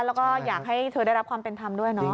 แล้วก็อยากให้เธอได้รับความเป็นธรรมด้วยเนาะ